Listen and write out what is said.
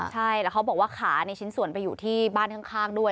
ใช่แล้วเขาบอกว่าขาในชิ้นส่วนไปอยู่ที่บ้านข้างด้วย